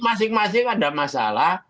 masing masing ada masalah